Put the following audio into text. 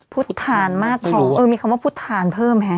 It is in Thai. พุทธทานมากทองเออมีคำว่าพุทธานเพิ่มฮะ